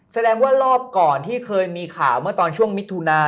แสดงว่ารอบก่อนที่เคยมีข่าวเมื่อตอนช่วงมิถุนา